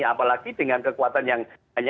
apalagi dengan kekuatan yang hanya enam satu